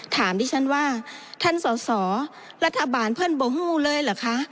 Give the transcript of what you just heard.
ถามดิฉันว่าท่านสอสอรัฐบาลเพื่อนโบฮูเลยเหรอคะ